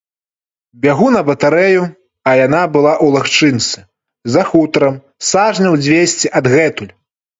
Бягу на батарэю, а яна была ў лагчынцы, за хутарам, сажняў дзвесце адгэтуль.